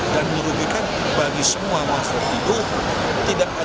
dan merugikan bagi semua makhluk hidup